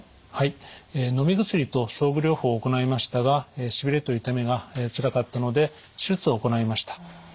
はい。のみ薬と装具療法を行いましたがしびれと痛みがつらかったので手術を行いました。